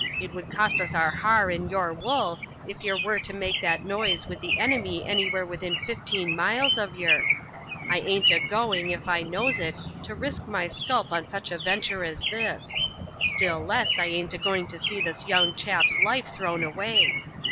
It would cost us our har and your wool ef yer were to make that noise with the enemy anywhere within fifteen miles of yer. I aint a going, if I knows it, to risk my sculp on such a venture as this; still less I aint a going to see this young chap's life thrown away.